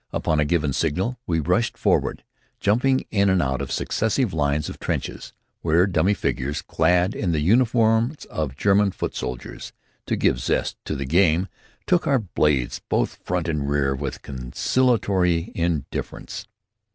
Upon a given signal, we rushed forward, jumping in and out of successive lines of trenches, where dummy figures clad in the uniforms of German foot soldiers, to give zest to the game took our blades both front and rear with conciliatory indifference.